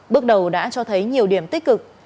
bước đầu đã cho thấy nhiều điểm tích cực